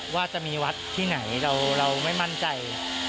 ว่าจะมีวัดที่ไหนเราไม่มั่นใจ